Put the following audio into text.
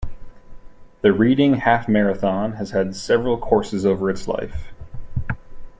The Reading Half Marathon has had several courses over its life.